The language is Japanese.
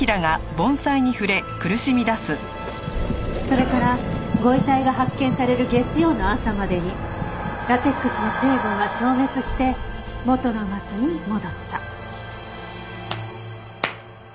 それからご遺体が発見される月曜の朝までにラテックスの成分が消滅して元のマツに戻った。